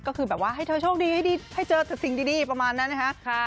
ก็คือแบบว่าให้เธอโชคดีให้ดีให้เจอแต่สิ่งดีประมาณนั้นนะคะ